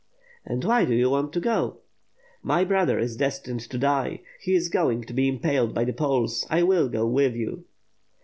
"And why do you want to go?" * "My brother is destined to die; he is going to be impaled by the Poles; I will go with you."